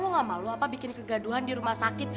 lo gak malu apa bikin kegaduhan di rumah sakit